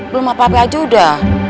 belum apa apa aja udah